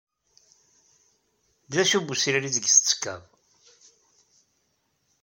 D acu n wesrir aydeg tettekkaḍ?